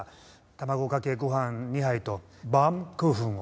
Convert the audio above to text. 卵かけご飯２杯とバウムクーフンを。